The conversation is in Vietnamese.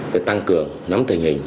để tăng cường nắm tình hình